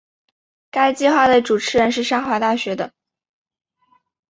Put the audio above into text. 该计画的主持人是华沙大学的。